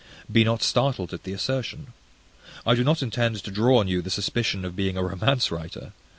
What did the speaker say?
Be not startled at the assertion. I do not intend to draw on you the suspicion of being a romance writer.